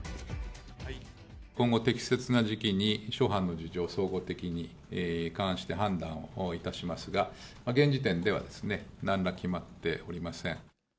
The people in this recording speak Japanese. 今後、適切な時期に諸般の事情を総合的に勘案して判断をいたしますが、現時点ではですね、なんら決まっておりません。